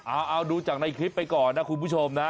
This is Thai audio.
เอาดูจากในคลิปไปก่อนนะคุณผู้ชมนะ